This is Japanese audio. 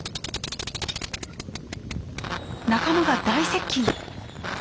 仲間が大接近。